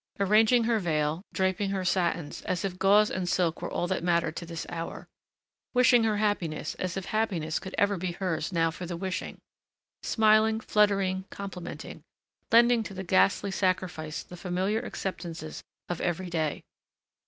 Arranging her veil, draping her satins, as if gauze and silk were all that mattered to this hour! Wishing her happiness as if happiness could ever be hers now for the wishing! Smiling, fluttering, complimenting, lending to the ghastly sacrifice the familiar acceptances of every day....